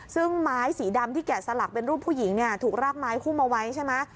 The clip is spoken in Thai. ซึ่งไม้สีดำที่แกะสลักเป็นรูปผู้หญิงเนี่ยถูกรากไม้คุมเอาไว้ใช่ไหม